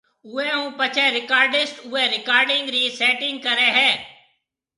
اوئي ھونپڇي رڪارڊسٽ اوئي رڪارڊنگ ري سيٽنگ ڪري ھيَََ